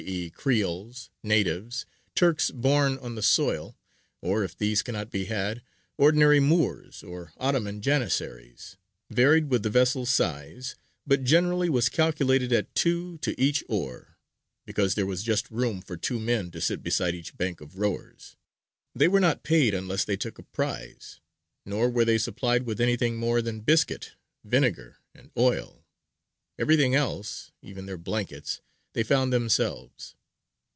e._, creoles, natives, Turks born on the soil or if these cannot be had, ordinary Moors, or Ottoman janissaries, varied with the vessel's size, but generally was calculated at two to each oar, because there was just room for two men to sit beside each bank of rowers: they were not paid unless they took a prize, nor were they supplied with anything more than biscuit, vinegar, and oil everything else, even their blankets, they found themselves.